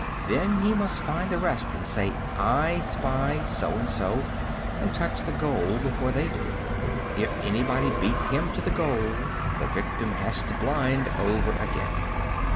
Then he must find the rest and say "I spy" so and so and touch the "goal" before they do. If anybody beats him to the goal the victim has to "blind" over again.